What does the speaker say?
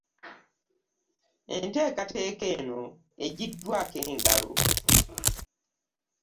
Enteekateeka eno eggiddwaako engalo.